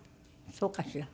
そうかしら？